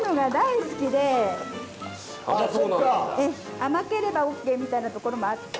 甘ければオーケーみたいなところもあって。